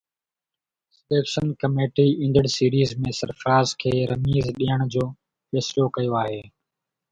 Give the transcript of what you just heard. selection committee ايندڙ series ۾ Sarfaraz کي رميز ڏيڻ جو فيصلو ڪيو آهي